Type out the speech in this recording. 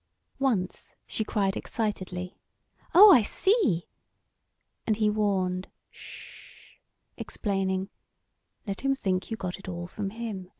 Once she cried, excitedly: "Oh I see!" and he warned, "S h!" explaining, "Let him think you got it all from him.